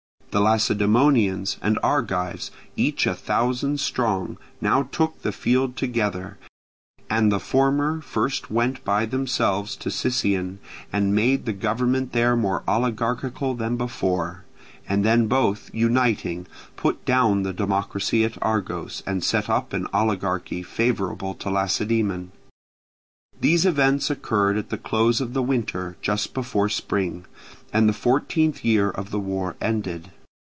The Lacedaemonians and Argives, each a thousand strong, now took the field together, and the former first went by themselves to Sicyon and made the government there more oligarchical than before, and then both, uniting, put down the democracy at Argos and set up an oligarchy favourable to Lacedaemon. These events occurred at the close of the winter, just before spring; and the fourteenth year of the war ended.